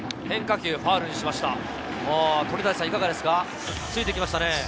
変化球をファウルにしました。